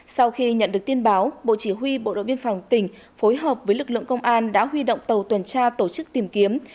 sau khi nhận được tin báo bộ chỉ huy bộ đội biên phòng tỉnh phối hợp với lực lượng công an đã huy động tàu tuần tra tổ chức tìm kiếm